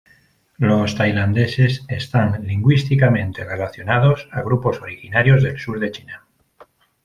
Los tailandeses están lingüísticamente relacionados a grupos originarios del sur de China.